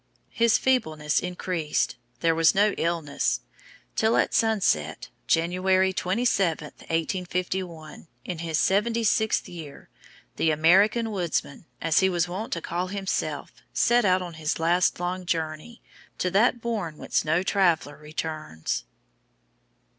His feebleness increased (there was no illness), till at sunset, January 27, 1851, in his seventy sixth year, the "American Woodsman," as he was wont to call himself, set out on his last long journey to that bourne whence no traveller returns.